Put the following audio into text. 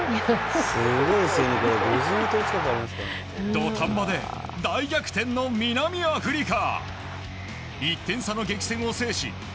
土壇場で大逆転の南アフリカ！